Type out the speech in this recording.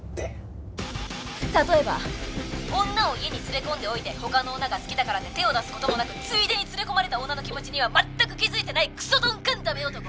例えば女を家に連れ込んでおいて他の女が好きだからって手を出す事もなくついでに連れ込まれた女の気持ちには全く気づいてないクソ鈍感ダメ男！